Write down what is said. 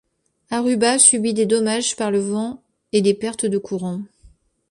Aruba subit des dommages par le vents et des pertes de courant.